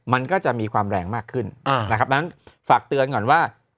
มันก็จะมีความแรงมากขึ้นนะครับดังนั้นฝากเตือนก่อนว่า